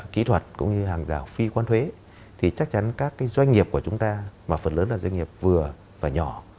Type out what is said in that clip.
kỹ thuật cũng như hàng rào phi quan huế thì chắc chắn các doanh nghiệp của chúng ta mà phần lớn là doanh nghiệp vừa và nhỏ